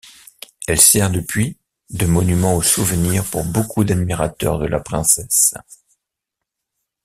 Elle sert depuis de monument au souvenir pour beaucoup d'admirateurs de la princesse.